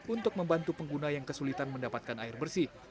untuk membantu pengguna yang kesulitan mendapatkan air bersih